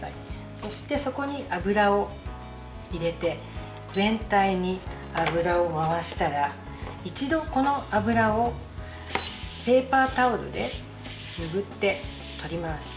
そして、そこに油を入れて全体に油を回したら一度、この油をペーパータオルで拭って取ります。